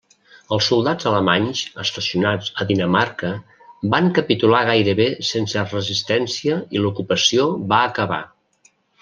Els soldats alemanys estacionats a Dinamarca van capitular gairebé sense resistència i l'ocupació va acabar.